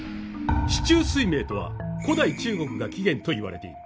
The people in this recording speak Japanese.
四柱推命とは古代中国が起源と言われている。